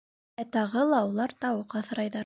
Ә тағы ла улар тауыҡ аҫрайҙар.